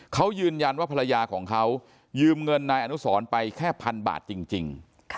เขายืนยันว่าภรรยาของเขายืมเงินนายอนุสรไปแค่พันบาทจริง